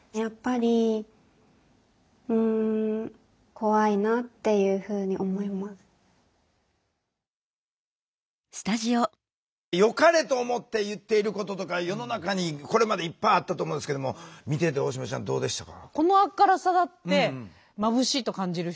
そういうふうによかれと思って言っていることとか世の中にこれまでいっぱいあったと思うんですけども見てて大島ちゃんどうでしたか？